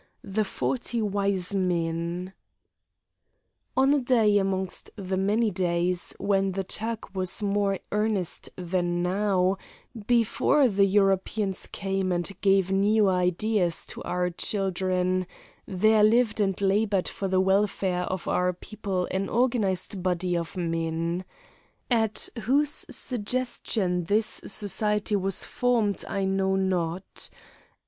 THE FORTY WISE MEN On a day amongst the many days, when the Turk was more earnest than now, before the Europeans came and gave new ideas to our children, there lived and labored for the welfare of our people an organized body of men. At whose suggestion this society was formed I know not.